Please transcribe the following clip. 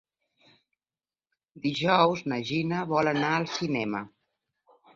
Dijous na Gina vol anar al cinema.